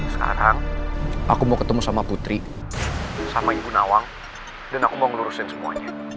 sekarang aku mau ketemu sama putri sama ibu nawang dan aku mau ngelurusin semuanya